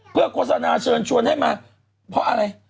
เพื่อโฆษณาเชิญชวนให้มาเพราะอะไร